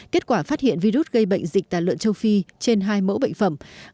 kết quả phát hiện virus gây bệnh dịch tàn lợn châu phi trên hai mẫu bệnh phẩm